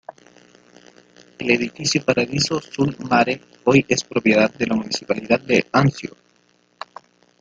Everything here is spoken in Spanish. El edificio Paradiso sul mare hoy es propiedad de la municipalidad de Anzio.